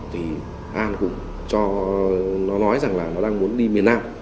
thì an cũng cho nó nói rằng là nó đang muốn đi miền nam